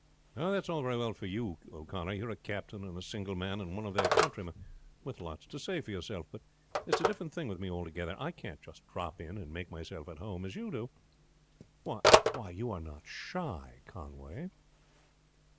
"That's all very well for you, O'Connor. You are a captain and a single man, and one of their countrymen, with lots to say for yourself; but it is a different thing with me altogether. I can't drop in and make myself at home as you do." "Why, you are not shy, Conway?"